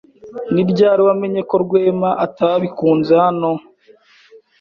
Ni ryari wamenye ko Rwema atabikunze hano?